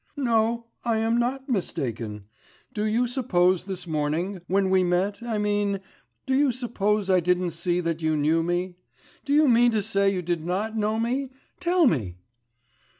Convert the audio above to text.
'No, I am not mistaken. Do you suppose this morning when we met, I mean do you suppose I didn't see that you knew me? Do you mean to say you did not know me? Tell me.